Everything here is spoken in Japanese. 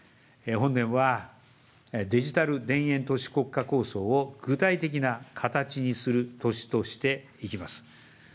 本年はデジタル田園都市国家構想を具体的な形にする年としていきます。